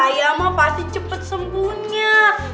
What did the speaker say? rayya mah pasti cepet sembunyak